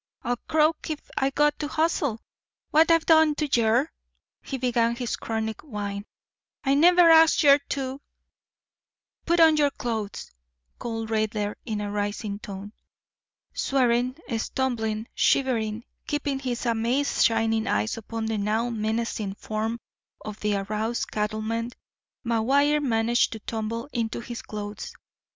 I'll croak if I got to hustle. What've I done to yer?"—he began his chronic whine—"I never asked yer to—" "Put on your clothes," called Raidler in a rising tone. Swearing, stumbling, shivering, keeping his amazed, shining eyes upon the now menacing form of the aroused cattleman, McGuire managed to tumble into his clothes.